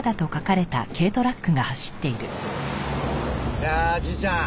いやあじいちゃん。